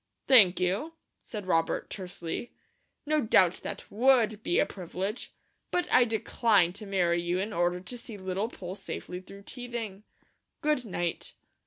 "Thank you!" said Robert, tersely. "No doubt that WOULD be a privilege, but I decline to marry you in order to see Little Poll safely through teething. Good night!"